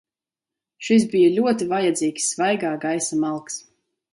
Šis bija ļoti vajadzīgs svaigā gaisa malks.